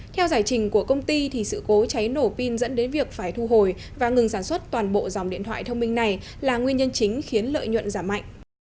theo giải trình của công ty sự cố cháy nổ pin dẫn đến việc phải thu hồi và ngừng sản xuất toàn bộ dòng điện thoại thông minh này là nguyên nhân chính khiến lợi nhuận giảm mạnh